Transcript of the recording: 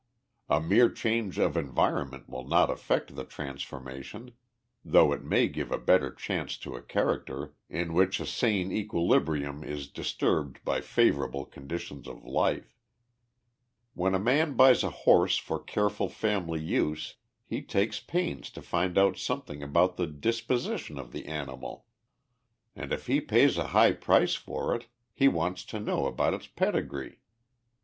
A mere change of environment will not affect the transformation, though it may give a better chance to a character in which a sane equilibrium is disturbed by unfavorable condi tions of life. When a man buys a horse for careful family use he takes pains to find out something about the disposition of the animal, and if he pays a high price for it, he wants to know about its pedigree.